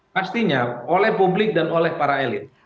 pastinya oleh publik dan oleh para elit